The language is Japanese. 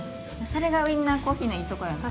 それがウィンナーコーヒーのいいとこやん。